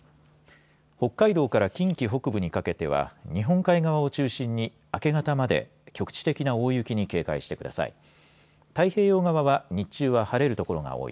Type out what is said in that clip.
北海道から近畿北部にかけては日本海側を中心に明け方まで局地的な大雪に警戒してください。